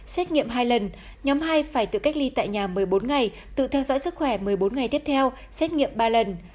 xét nghiệm hai lần nhóm hai phải tự cách ly tại nhà một mươi bốn ngày tự theo dõi sức khỏe một mươi bốn ngày tiếp theo xét nghiệm ba lần